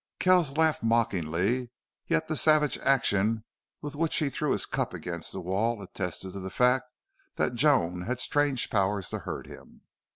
Kells laughed mockingly, yet the savage action with which he threw his cup against the wall attested to the fact that Joan had strange power to hurt him.